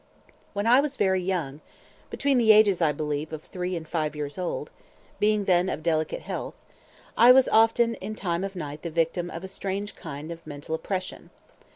When I was very young (between the ages, I believe, of three and five years old), being then of delicate health, I was often in time of night the victim of a strange kind of mental oppression.